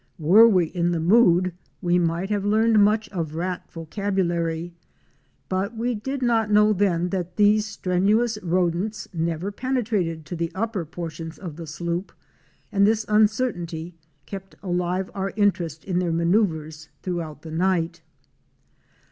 Were we in the mood we might have learned much of rat vocabulary. But we did not then know that these strenuous rodents never penetrated to the upper portions of the sloop and this uncertainty kept alive our interest in their manceuvers throughout the night.